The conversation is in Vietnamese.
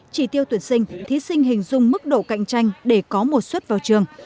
chỉ tiêu tuyển sinh thí sinh hình dung mức độ cạnh tranh để có một suất vào trường